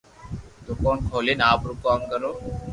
دوڪون کولين آپرو ڪوم ڪرو